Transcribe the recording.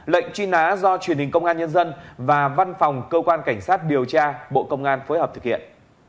lệnh truy nã do truyền hình công an nhân dân và văn phòng cơ quan cảnh sát điều tra bộ công an phối hợp thực hiện